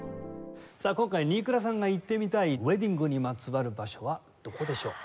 今回新倉さんが行ってみたいウェディングにまつわる場所はどこでしょう？